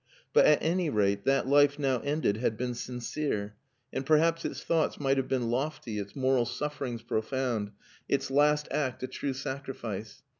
But, at any rate, that life now ended had been sincere, and perhaps its thoughts might have been lofty, its moral sufferings profound, its last act a true sacrifice.